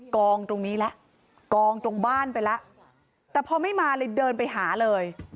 กองตรงนี้แล้วกองตรงบ้านไปแล้วแต่พอไม่มาเลยเดินไปหาเลย